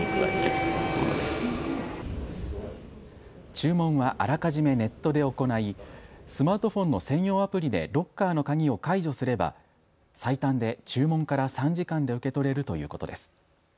注文はあらかじめネットで行いスマートフォンの専用アプリでロッカーの鍵を解除すれば最短で注文から３時間で受け取れるということです。